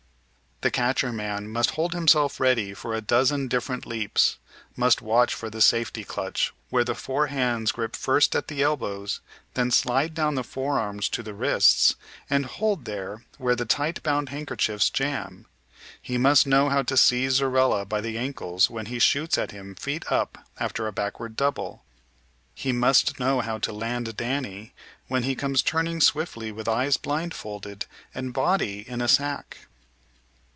The catcher man must hold himself ready for a dozen different leaps, must watch for the safety clutch where the four hands grip first at the elbows, then slide down the forearms to the wrists and hold there where the tight bound handkerchiefs jam; he must know how to seize Zorella by the ankles when he shoots at him feet up after a backward double; he must know how to land Danny when he comes turning swiftly with eyes blindfolded and body bound in a sack.